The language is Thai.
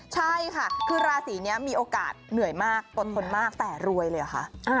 ใช่ค่ะคือราศีนี้มีโอกาสเหนื่อยมากอดทนมากแต่รวยเลยเหรอคะ